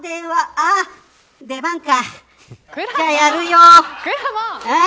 ああ、出番か。